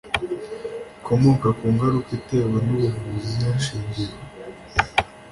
gikomoka ku ngaruka itewe n ubuvuzi hashingiwe